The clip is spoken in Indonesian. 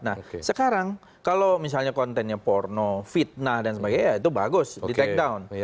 nah sekarang kalau misalnya kontennya porno fitnah dan sebagainya ya itu bagus di take down